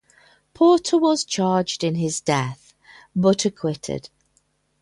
Porter was charged in his death, but acquitted.